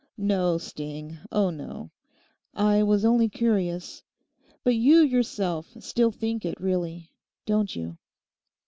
'No sting; oh no. I was only curious. But you yourself still think it really, don't you?